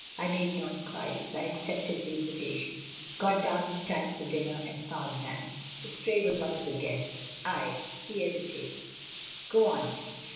I made no inquiries; I accepted the invitation, got down in time for dinner, and found Mme. Istray was one of the guests. I " He hesitates. "Go on."